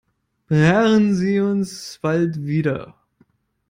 Beehren Sie uns bald wieder!